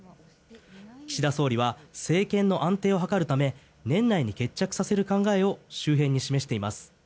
岸田総理は政権の安定を図るため年内に決着させる考えを周辺に示しています。